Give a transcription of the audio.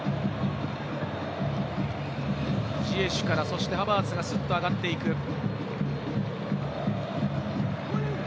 ジエシュからハバーツがスッと上がっていく。